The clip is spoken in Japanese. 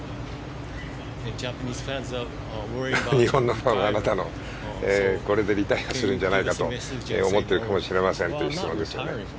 日本のファンはあなたがこれでリタイアするんじゃないかと思ってるかもしれませんという質問ですよね。